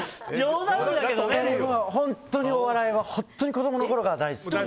お笑いは本当に子供のころから大好きで。